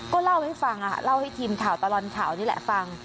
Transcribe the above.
ก็เล่าให้ฟังเล่าให้ทีมข่าวตลอดข่าวนี่แหละฟัง